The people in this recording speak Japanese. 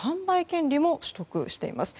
権利も取得しています。